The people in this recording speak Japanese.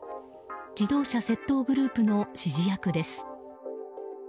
自動車窃盗グループの指示役です。